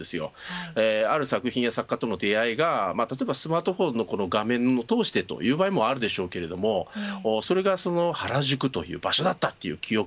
ある作品や作家との出会いがスマートフォンの画面を通してという場合もあるでしょうがそれが原宿という場所だったという記憶